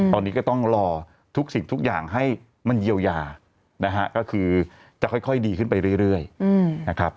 ตอนนี้ก็ต้องรอทุกสิ่งทุกอย่างให้มันเยียวยานะฮะก็คือจะค่อยดีขึ้นไปเรื่อยนะครับ